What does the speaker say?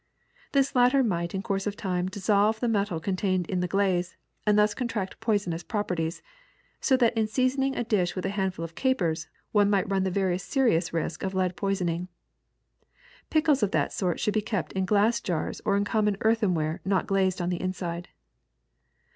This latter might in course of time dissolve the metal contained in the glaze and thus contract poisonous properties, so that in seasoning a dish with a handful of capers one might ru»n the very serious risk of lead poisoning. Pickles of that sort should be kept in glass jars or in common earthenware not glazed on the inside.